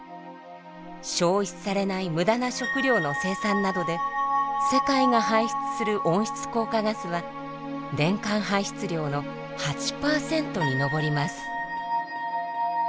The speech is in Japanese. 消費されない無駄な食料の生産などで世界が排出する温室効果ガスは年間排出量の８％に上ります。